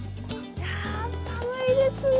や寒いですね。